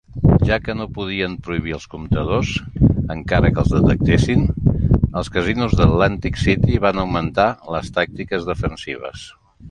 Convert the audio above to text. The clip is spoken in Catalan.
Ja que no podien prohibir els comptadors encara que els detectessin, els casinos d'Atlantic City van augmentar les tàctiques defensives.